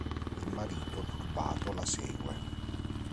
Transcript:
Il marito turbato la segue.